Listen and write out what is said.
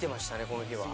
この日は。